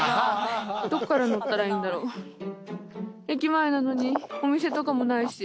駅前なのにお店とかもないし。